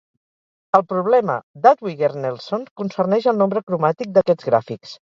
El problema d'Hadwiger-Nelson concerneix el nombre cromàtic d'aquests gràfics.